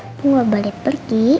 aku gak boleh pergi